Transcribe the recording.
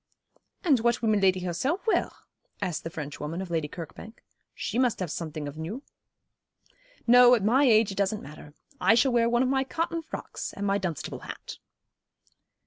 'And what will Miladi herself wear?' asked the French woman of Lady Kirkbank. 'She must have something of new.' 'No, at my age, it doesn't matter. I shall wear one of my cotton frocks, and my Dunstable hat.'